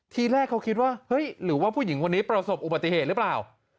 ทีแรกเขาคิดว่าเฮ้ยหรือว่าผู้หญิงคนนี้ประสบอุบัติเหตุหรือเปล่า